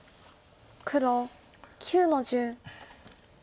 黒９の十。